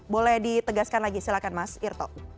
boleh ditegaskan lagi silakan mas irto